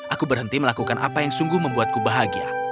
aku berhenti melakukan apa yang sungguh membuatku bahagia